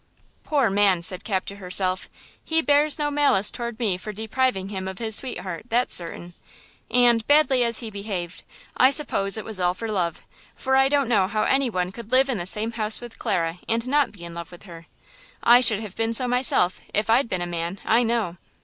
"Poor man," said Cap to herself, "he bears no malice toward me for depriving him of his sweetheart; that's certain. And, badly as he behaved, I suppose it was all for love, for I don't know how any one could live in the same house with Clara and not be in love with her. I should have been so myself if I'd been a man, I know!"